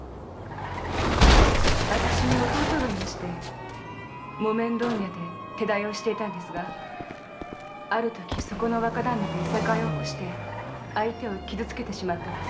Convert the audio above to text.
私の弟が木綿問屋で手代をしていたのですがあるとき若旦那と諍いを起こして相手を傷つけてしまったんです。